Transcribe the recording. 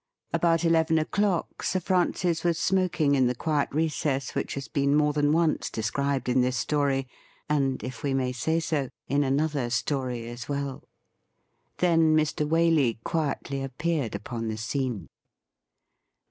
About eleven o''clock Sir Francis was smoking in the quiet recess which has been more than once described in this story, and, if we may say so, in another story as well. Then Mr. Waley quietly appeared upon the scene.